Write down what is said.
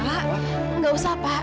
tidak usah pak